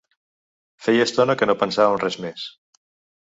Feia estona que no pensava en res més.